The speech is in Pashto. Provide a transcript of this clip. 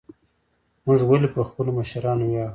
موږ ولې په خپلو مشرانو ویاړو؟